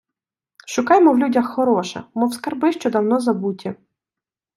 Шукаймо в людях хороше, мов скарби, що давно забуті